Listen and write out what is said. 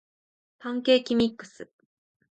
パンケーキミックス